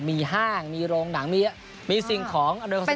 มีห้างมีโรงหนังมีเยอะมีสิ่งของอร่อยของสะดวก